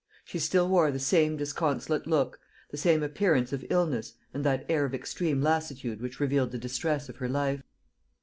She still wore the same disconsolate look, the same appearance of illness and that air of extreme lassitude which revealed the distress of her life.